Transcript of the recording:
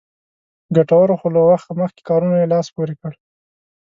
ګټورو خو له وخت مخکې کارونو یې لاس پورې کړ.